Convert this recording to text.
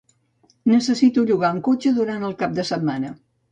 Necessito llogar un cotxe durant el cap de setmana